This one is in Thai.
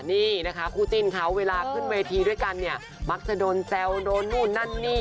นี่นะคะคู่จินเวลาขึ้นเวทีด้วยกันมักจะโดนเจลโดนนู่นนั่นนี่